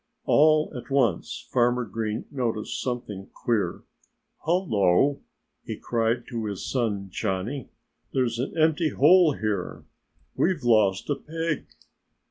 All at once Farmer Green noticed something queer. "Hullo!" he cried to his son Johnnie. "There's an empty hole here. We've lost a pig!"